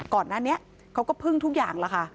ก่อนนั้นเขาก็พึ่งทุกอย่างล่ะค่ะ